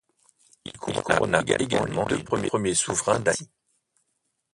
Il couronna également les deux premiers souverains d'Haïti.